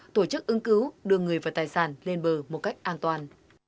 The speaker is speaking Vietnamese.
tổ chức ứng cứu đưa người và tài sản lên bờ một cách an toàn